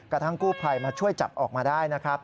กระทั่งกู้ภัยมาช่วยจับออกมาได้นะครับ